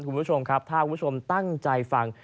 คุณผู้ชมครับถ้าคุณผู้ชมตั้งใจฟัง